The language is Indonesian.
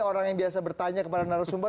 orang yang biasa bertanya kepada narasumber